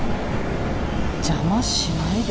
邪魔しないで。